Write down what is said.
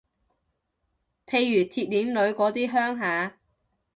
譬如鐵鍊女嗰啲鄉下